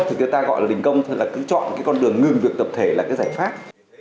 thì người ta gọi là đình công thôi là cứ chọn cái con đường ngừng việc tập thể là cái giải pháp